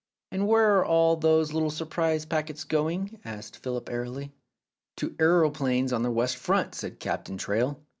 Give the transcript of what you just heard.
"And where are all those little surprise packets going?" asked Philip airily. "To aeroplanes on the west front," said kind Captain Traill.